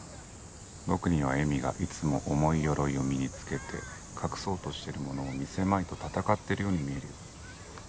僕には詠美がいつも重い鎧を身につけて隠そうとしているものを見せまいと闘っているように見えるよ。